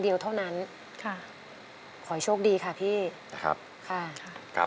เปลี่ยนเพลงเก่งของคุณและข้ามผิดได้๑คำ